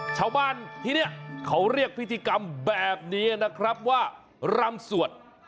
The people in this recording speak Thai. ชาวบ้านที่นี่เขาเรียกพิธีกรรมแบบนี้นะครับว่ารำสวด